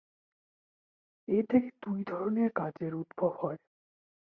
এ থেকে দুই ধরনের কাজের উদ্ভব হয়।